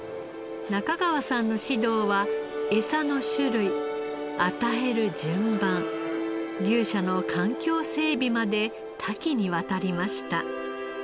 中川さんの指導はエサの種類与える順番牛舎の環境整備まで多岐にわたりました。